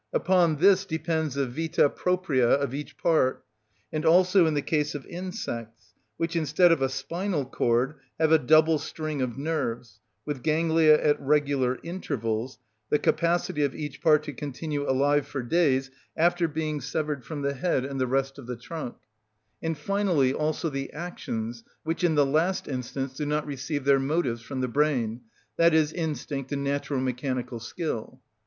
Upon this depends the vita propria of each part, and also in the case of insects, which, instead of a spinal cord, have a double string of nerves, with ganglia at regular intervals, the capacity of each part to continue alive for days after being severed from the head and the rest of the trunk; and finally also the actions which in the last instance do not receive their motives from the brain, i.e., instinct and natural mechanical skill.